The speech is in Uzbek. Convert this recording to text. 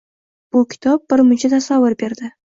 Bu kitob birmuncha tasavvur berdi